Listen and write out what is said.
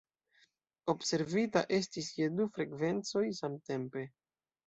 Observita estis je du frekvencoj samtempe.